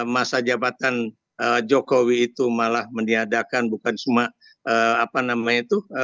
masa jabatan jokowi itu malah meniadakan bukan cuma apa namanya itu